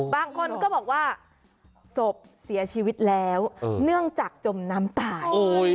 บางคนก็บอกว่าศพเสียชีวิตแล้วเนื่องจากจมน้ำตาย